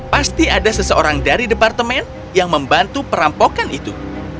pasti ada seseorang dari departemen yang membantu perampokan itu